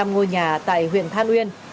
hai mươi năm ngôi nhà tại huyện than uyên